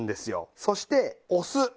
そしてお酢。